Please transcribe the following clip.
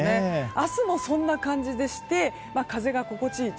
明日もそんな感じでして風が心地いい